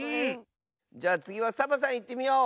じゃあつぎはサボさんいってみよう！